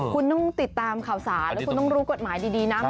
คุณต้องติดตามข่าวสารแล้วคุณต้องรู้กฎหมายดีนะ